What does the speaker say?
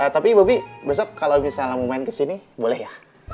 tapi bobby besok kalau misalnya mau main ke sini boleh ya